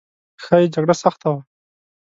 ښایي جګړه سخته وه.